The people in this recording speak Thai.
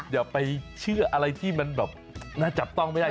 อย่าไปเชื่ออะไรที่มันแบบน่าจับต้องไม่ได้